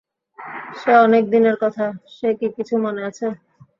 সে অনেক দিনের কথা, সে কি কিছু মনে আছে।